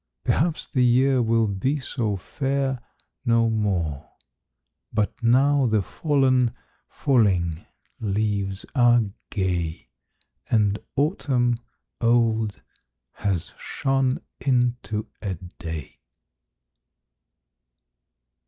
Perhaps the year will be so fair no more, But now the fallen, falling leaves are gay, And autumn old has shone into a Day!